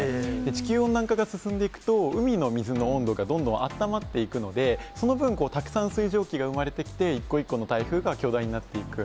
地球温暖化が進んでいくと、海の水の温度が、どんどんあったまっていくので、その分、たくさん水蒸気が生まれてきて、一個一個の台風が巨大になっていく。